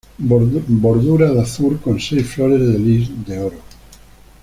Bordura de azur con seis flores de lis, de oro.